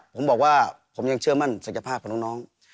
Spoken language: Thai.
ผมบอกว่าผมยังเชื่อมั่นศักยภาพของน้อง